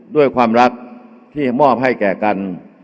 ด้วยความรักที่มอบให้แก่กัน